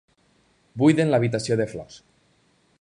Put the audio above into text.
Buiden l'habitació de flors.